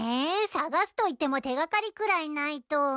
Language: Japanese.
探すといっても手掛かりくらいないと。